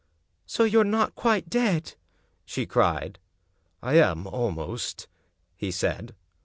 "So you're not quite dead?" she cried. " I am almost," he said.